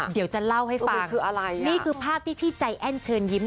เดี๋ยวจะเล่าให้ฟังคืออะไรนี่คือภาพที่พี่ใจแอ้นเชิญยิ้ม